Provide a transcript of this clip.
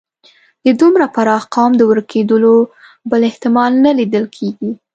د دومره پراخ قوم د ورکېدلو بل احتمال نه لیدل کېږي.